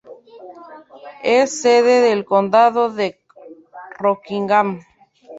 Es sede del condado de Rockingham.